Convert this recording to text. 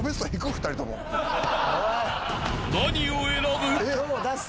［何を選ぶ？］